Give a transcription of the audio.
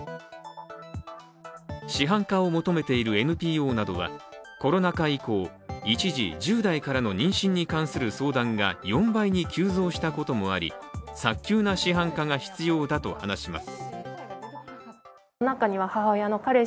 市販化を求めているＮＰＯなどはコロナ禍以降、一時１０代からの妊娠に関する相談が４倍に急増したこともあり早急な市販化が必要だと話します。